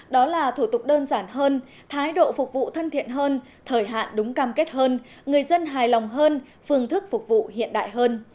đó là thủ tục đơn giản hơn thái độ phục vụ thân thiện hơn thời hạn đúng cam kết hơn người dân hài lòng hơn phương thức phục vụ hiện đại hơn